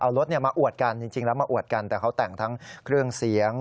เอารถมาอวดกันจริงแล้วมาอวดกันแต่เขาแต่งทั้งเครื่องเสียง